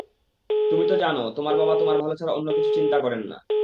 তুমি তো জানো, তোমার বাবা তোমার ভালো ছাড়া অন্য কিছু চিন্তা করেন না।